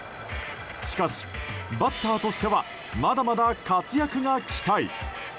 しかし、バッターとしてはまだまだ活躍が期待。